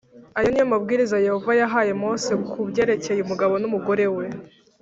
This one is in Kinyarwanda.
Ayo ni yo mabwiriza Yehova yahaye Mose ku byerekeye umugabo n’umugore we